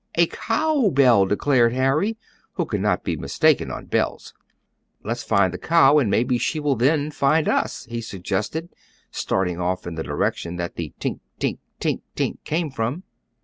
A cow bell!" declared Harry, who could not be mistaken on bells. "Let's find the cow and maybe she will then find us," he suggested, starting off in the direction that the "tink tink tink tink" came from.